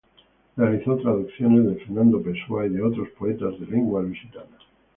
Realizó traducciones, de Fernando Pessoa y de otros poetas de lengua lusitana.